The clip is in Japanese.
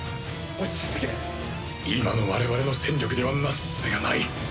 今の我々の戦力ではなすすべがない。